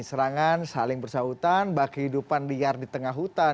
serangan saling bersahutan bahwa kehidupan liar di tengah hutan